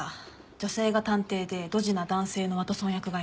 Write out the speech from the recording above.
女性が探偵でドジな男性のワトソン役がいる。